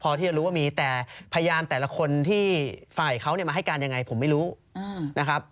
พอที่จะรู้ว่ามีแต่พยานแต่ละคนที่ฝ่ายเขามาให้การยังไงผมไม่รู้นะครับ